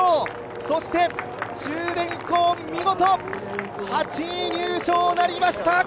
そして中電工、見事８位入賞なりました。